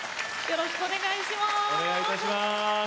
よろしくお願いします。